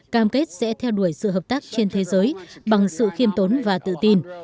cam kết sẽ theo đuổi sự hợp tác trên thế giới bằng sự khiêm tốn và tự tin